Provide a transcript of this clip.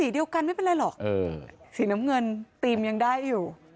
เดียวกันไม่เป็นไรหรอกสีน้ำเงินธีมยังได้อยู่